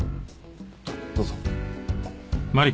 どうぞ。